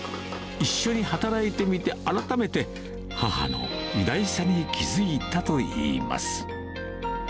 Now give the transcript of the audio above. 一緒に働いてみて改めて、母の偉大さに気付いたといいます。